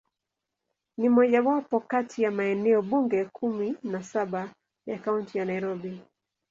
Ni mojawapo kati ya maeneo bunge kumi na saba ya Kaunti ya Nairobi.